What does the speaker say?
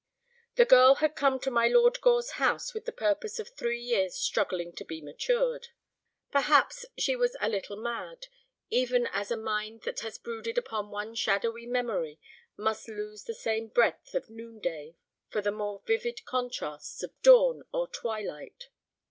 The girl had come to my Lord Gore's house with the purpose of three years struggling to be matured. Perhaps she was a little mad, even as a mind that has brooded upon one shadowy memory must lose the sane breadth of noonday for the more vivid contrasts of dawn or twilight.